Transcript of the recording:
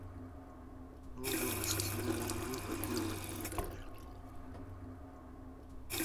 No hubo necesidad de ningún partido definitorio.